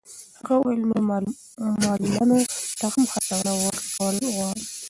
هغه وویل نورو معلولانو ته هم هڅونه ورکول غواړي.